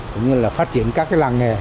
cũng như là phát triển các làng nghề